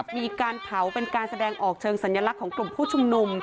มีการเผาเป็นการแสดงออกเชิงสัญลักษณ์ของกลุ่มผู้ชุมนุม